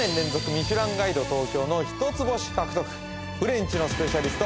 「ミシュランガイド東京」の１つ星獲得フレンチのスペシャリスト